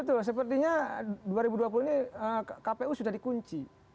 betul sepertinya dua ribu dua puluh ini kpu sudah dikunci